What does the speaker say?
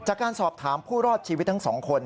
จากการสอบถามผู้รอดชีวิตทั้งสองคน